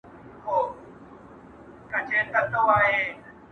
لکه مات لاس چي سي کم واکه نو زما په غاړه ،